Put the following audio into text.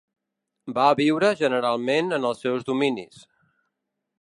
Va viure generalment en els seus dominis.